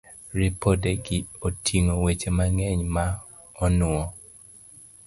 Ripodegi oting'o weche mang'eny ma onuwo